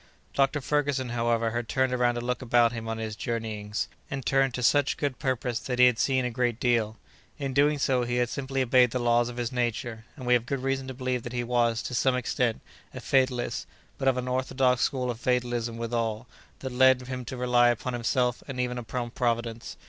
Doctor Ferguson, however, had turned around to look about him on his journeyings, and turned to such good purpose that he had seen a great deal. In doing so, he had simply obeyed the laws of his nature, and we have good reason to believe that he was, to some extent, a fatalist, but of an orthodox school of fatalism withal, that led him to rely upon himself and even upon Providence.